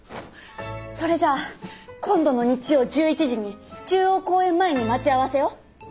それじゃあ今度の日曜１１時に中央公園前に待ち合わせよ。